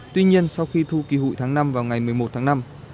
tuy nhiên sau khi thu kỳ hụi tháng năm vào ngày một mươi một tháng năm